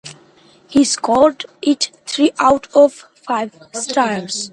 He scored it three out of five stars.